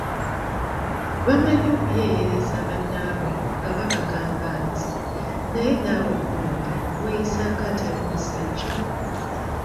Bamanyi okuyeeyereza bannaabwe nga babagamba nti,"Naye naawe gundi weeyisa ng'atali musajja!